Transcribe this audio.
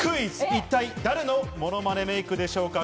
一体誰のものまねメイクでしょうか？